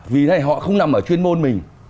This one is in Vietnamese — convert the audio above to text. vì họ không nằm ở chuyên môn mình